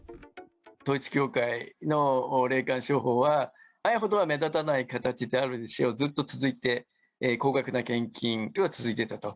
統一教会の霊感商法は、前ほどは目立たない形であるにせよ、ずっと続いて、高額な献金は続いてたと。